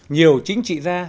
nhiều chính trị gia